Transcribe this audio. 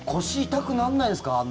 腰痛くならないですか？